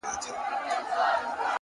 مهرباني د انسانیت ښکلی پیغام دی،